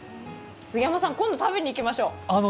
杉山さん、今度食べにいきましょう。